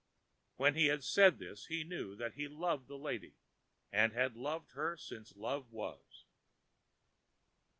ã When he had said this he knew that he loved the lady, and had loved her since love was.